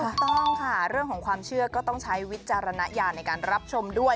ถูกต้องค่ะเรื่องของความเชื่อก็ต้องใช้วิจารณญาณในการรับชมด้วย